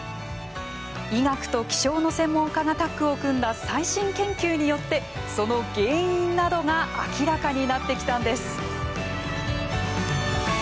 医学と気象の専門家がタッグを組んだ最新研究によってその原因などが明らかになってきたんです。